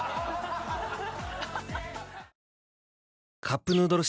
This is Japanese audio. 「カップヌードル」